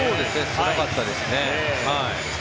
少なかったですね。